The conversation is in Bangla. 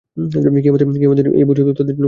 কিয়ামতের দিন এই বোঝ তাদের জন্যে কতই না মন্দ!